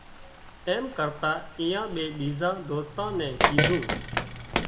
ايم ڪرتا ايئان ٻي ٻيزان دوستان نين ڪيڌون